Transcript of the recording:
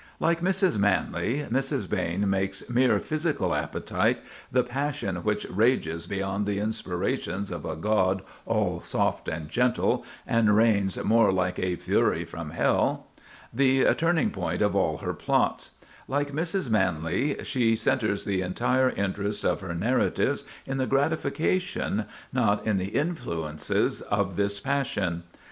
Like Mrs. Manley, Mrs. Behn makes mere physical appetite—the passion which "rages beyond the inspirations of a god all soft and gentle, and reigns more like a fury from hell"—the turning point of all her plots; like Mrs. Manley, she centres the entire interest of her narratives in the gratification, not in the influences, of this passion.